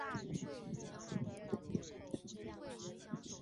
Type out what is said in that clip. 橘红色针状晶体或赭黄色粉末。